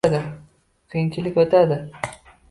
Qiyinchilik o‘tadi.